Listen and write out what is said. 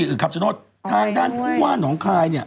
หรือครับจนดทางด้านผู้ว่าน้องคลายเนี่ย